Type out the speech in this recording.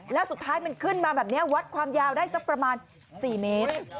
แล้วสุดท้ายมันขึ้นมาแบบนี้วัดความยาวได้สักประมาณ๔เมตร